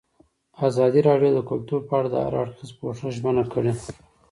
ازادي راډیو د کلتور په اړه د هر اړخیز پوښښ ژمنه کړې.